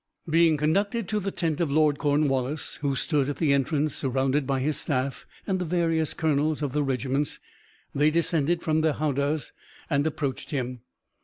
Being conducted to the tent of Lord Cornwallis, who stood at the entrance surrounded by his staff and the various colonels of the regiments, they descended from their howdahs and approached him.